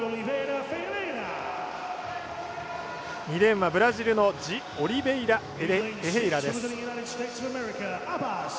２レーンはブラジルのジオリベイラフェヘイラです。